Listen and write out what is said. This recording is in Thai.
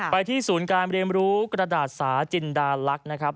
ไปที่ศูนย์การเรียนรู้กระดาษสาจินดาลักษณ์นะครับ